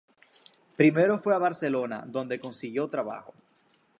Primero fue a Barcelona, donde consiguió trabajo.